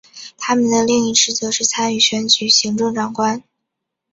他们的另一职责是参与选举行政长官。